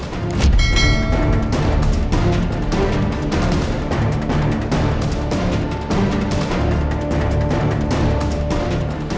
saya kembaran diego